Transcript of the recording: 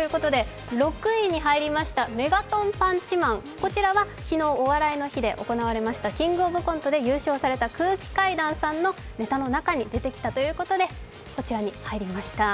こちらは昨日、「お笑いの日」で行われました「キングオブコント」で優勝された空気階段さんのネタの中に出てきたということで、こちらに入りました。